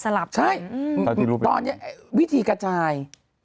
สลับกันถ้าที่รู้เป็นใช่ตอนนี้วิธีกระจาย